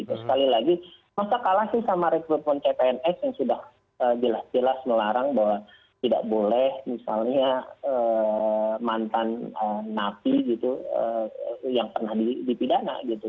itu sekali lagi masa kalah sih sama rekrutmen cpnx yang sudah jelas jelas melarang bahwa tidak boleh misalnya mantan napi gitu yang pernah dipidana gitu